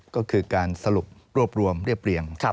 ก็คือการสรุปรวบรวมเรียบเรียง